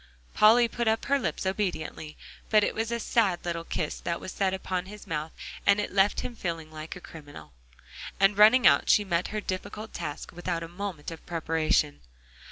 Polly put up her lips obediently. But it was a sad little kiss that was set upon his mouth, and it left him feeling like a criminal. And running out, she met her difficult task without a moment of preparation.